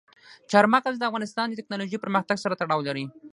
چار مغز د افغانستان د تکنالوژۍ پرمختګ سره تړاو لري.